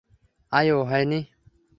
আইয়ো, হয়নি?